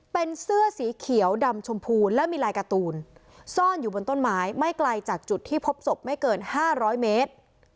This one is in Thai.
เป็นเสื้อสีเขียวดำชมพูและมีลายการ์ตูนซ่อนอยู่บนต้นไม้ไม่ไกลจากจุดที่พบศพไม่เกิน๕๐๐เมตร